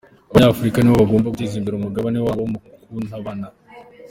Abanyafurika nibo bagomba guteza imbere umugabane wabo Mukantabana